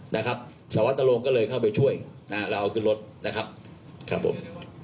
นะครับสวัตโรงก็เลยเข้าไปช่วยนะฮะแล้วเอาขึ้นรถนะครับครับผม